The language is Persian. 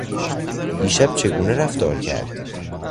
دیشب چگونه رفتار کرد؟